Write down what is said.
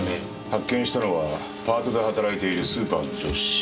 発見したのはパートで働いているスーパーの上司。